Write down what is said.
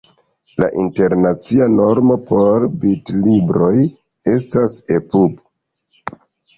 La internacia normo por bitlibroj estas ePub.